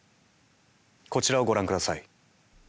こちらをご覧ください。